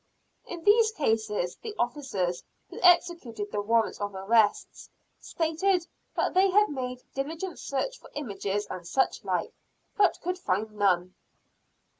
In these cases, the officers who executed the warrants of arrest, stated "that they had made diligent search for images and such like, but could find none."